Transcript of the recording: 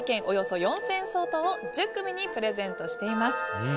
およそ４０００円相当を１０組にプレゼントしています。